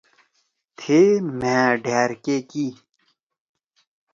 تھِئے مھأ ڈھأر کے کی۔